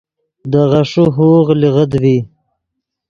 دے غیݰے ہوغ لیغت ڤی